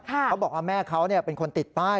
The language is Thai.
เขาบอกว่าแม่เขาเป็นคนติดป้าย